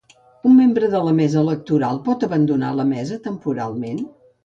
Un membre de la mesa electoral pot abandonar la mesa temporalment?